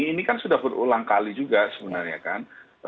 ini kan sudah berulang kali juga sebenarnya kan